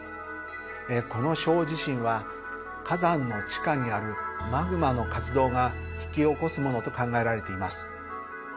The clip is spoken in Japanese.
この小地震は火山の地下にあるマグマの活動が引き起こすものと考えられています。